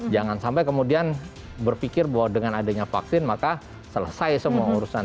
jangan sampai kemudian berpikir bahwa dengan adanya vaksin maka selesai semua urusan